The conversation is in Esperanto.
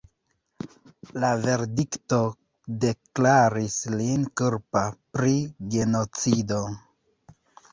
La verdikto deklaris lin kulpa pri genocido.